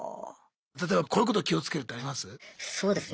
例えばこういうこと気をつけるってあります？